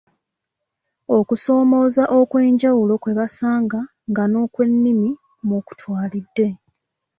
Okusomoooza okw’enjawulo kwe basanga nga n’okwennimi mw’okutwalidde.